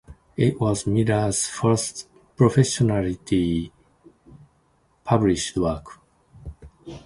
It was Millar's first professionally published work.